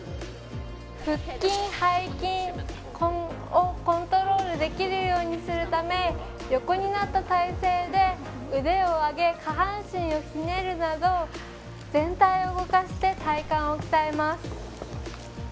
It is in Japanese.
腹筋、背筋をコントロールできるようにするため横になった体勢で腕を上げ下半身をひねるなど全体を動かして体幹を鍛えます。